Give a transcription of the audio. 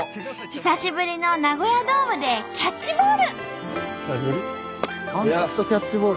久しぶりのナゴヤドームでキャッチボール。